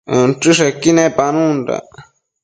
inchËshequi nepanundac